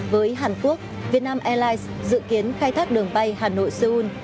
với hàn quốc việt nam airlines dự kiến khai thác đường bay hà nội seoul